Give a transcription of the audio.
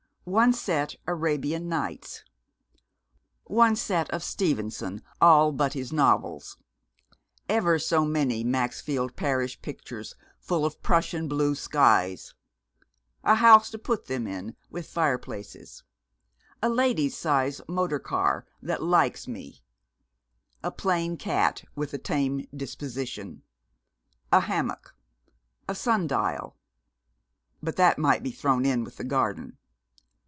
One set Arabian Nights. One set of Stevenson, all but his novels. Ever so many Maxfield Parrish pictures full of Prussian blue skies. A house to put them in, with fireplaces. A lady's size motor car that likes me. A plain cat with a tame disposition. A hammock. A sun dial. (But that might be thrown in with the garden.)